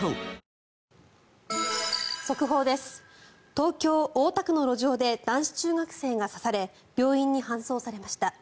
東京・大田区の路上で男子中学生が刺され病院に搬送されました。